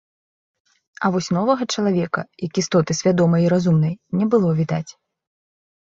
А вось новага чалавека, як істоты свядомай і разумнай, не было відаць.